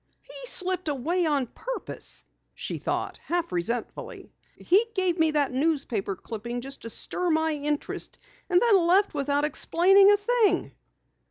"He slipped away on purpose!" she thought half resentfully. "He gave me the newspaper clipping just to stir my interest, and then left without explaining a thing!"